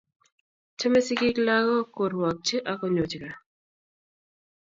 Chame sigik lagok, korwokchi ak konyochi kat.